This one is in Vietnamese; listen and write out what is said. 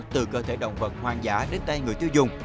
từ cơ thể động vật hoang dã đến tay người tiêu dùng